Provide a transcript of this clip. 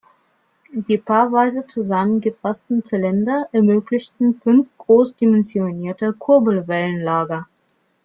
Die paarweise zusammengefassten Zylinder ermöglichten fünf groß dimensionierte Kurbelwellenlager.